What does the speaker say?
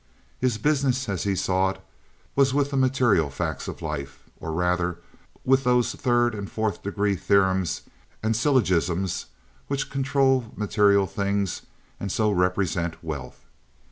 His business as he saw it was with the material facts of life, or, rather, with those third and fourth degree theorems and syllogisms which control material things and so represent wealth.